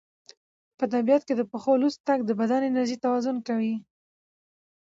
په طبیعت کې د پښو لوڅ تګ د بدن انرژي توازن کوي.